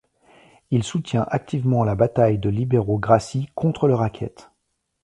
Il soutient activement la bataille de Libero Grassi contre le racket.